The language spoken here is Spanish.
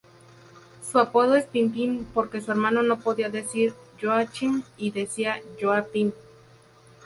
Su apodo es Pim-Pim porque su hermano no podía decir Joachim y decía Joa-Pim.